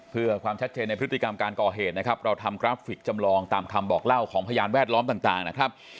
เพื่อความชัดเจนในพฤติกรรมการก่อเหตุนะครับเราทำกราฟิกจำลองตามคำบอกเล่าของพยานแวดล้อมต่างนะครับ